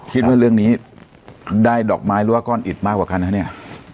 คิดว่าเรื่องนี้ได้ดอกไม้หรือว่าก้อนอิดมากกว่ากันฮะเนี่ย